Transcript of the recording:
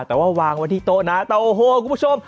แต่ว่าวางไว้ที่โต๊ะนะแต่โอ้โหคุณผู้ชม